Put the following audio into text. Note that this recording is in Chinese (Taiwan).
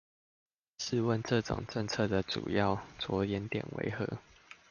試問這種決策的主要著眼點為何？